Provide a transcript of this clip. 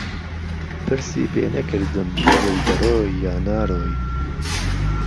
پرسی پێ نهکردم وهی دهرۆی یان نارۆی